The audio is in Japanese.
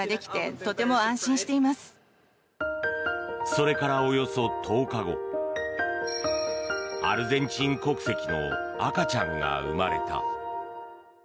それから、およそ１０日後アルゼンチン国籍の赤ちゃんが生まれた。